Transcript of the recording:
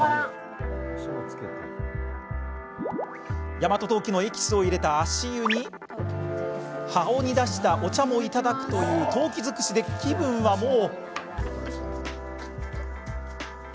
大和当帰のエキスを入れた足湯に葉を煮出した、お茶もいただく当帰尽くしで気分はもう。